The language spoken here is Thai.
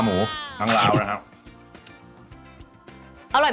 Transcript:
หมูทั้งลาวนะครับ